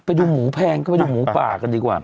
ไปดูหมูแพงก็ไปดูหมูป่ากันดีกว่า